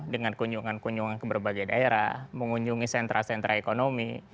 dengan kunjungan kunjungan ke berbagai daerah mengunjungi sentra sentra ekonomi